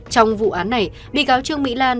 trong vụ án này bị cáo trương mỹ lan